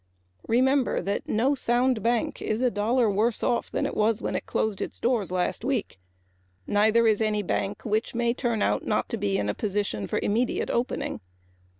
No sound bank is a dollar worse off than it was when it closed its doors last Monday. Neither is any bank which may turn out not to be in a position for immediate opening.